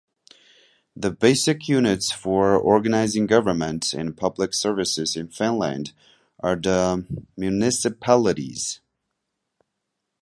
The basic units for organising government and public services in Finland are the municipalities.